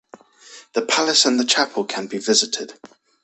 The palace and the chapel can be visited.